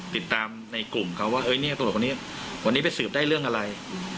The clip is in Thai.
ติดตามในกลุ่มเขาว่าเนี่ยตำรวจคนนี้วันนี้ไปสืบได้เรื่องอะไร